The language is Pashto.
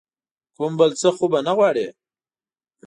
کوم بل څه خو به نه غواړې ؟